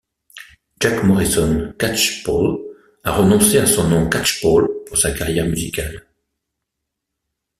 James Morrison Catchpole a renoncé à son nom Catchpole pour sa carrière musicale.